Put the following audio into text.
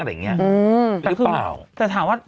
เป็นไรก็ไม่รู้